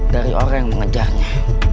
dari orang yang mengejarnya